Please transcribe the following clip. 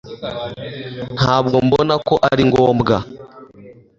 ntabwo mbona ko ari ngombwa